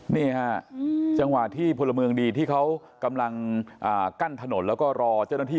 นี่ฮะจังหวะที่พลเมืองดีที่เขากำลังกั้นถนนแล้วก็รอเจ้าหน้าที่